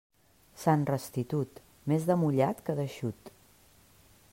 Sant Restitut, més de mullat que d'eixut.